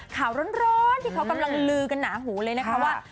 ข่าวร้อนที่เขากำลังลือกันหนาหูเลยนะคะว่า